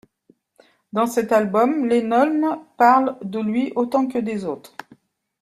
Dans cet album, Lennon parle de lui autant que des autres.